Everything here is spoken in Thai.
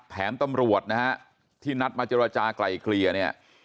ตำรวจนะฮะที่นัดมาเจรจากลายเกลี่ยเนี่ย